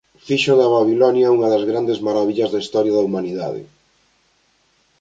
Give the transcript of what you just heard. Fixo de Babilonia unha das grandes marabillas da historia da humanidade.